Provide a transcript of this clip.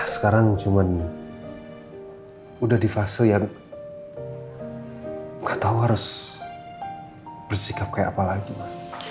sekarang cuma udah di fase yang gak tau harus bersikap kayak apa lagi ma